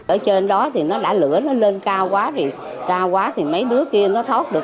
ở trên đó thì nó đã lửa nó lên cao quá thì mấy đứa kia nó thoát được